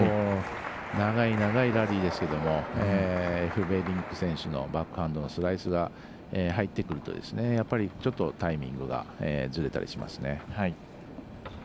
長い長いラリーでしたけどエフベリンク選手のバックハンドのスライスが入ってくると、やっぱりちょっとタイミングがずれたりしますね。